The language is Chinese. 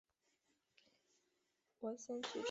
两者均为所属领域的最高级别荣誉勋章。